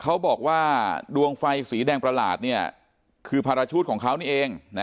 เขาบอกว่าดวงไฟสีแดงประหลาดคือภารชุดของเขานี่เอง